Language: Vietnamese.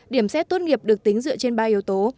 điểm xét tốt nghiệp được tính dựa trên ba yếu tố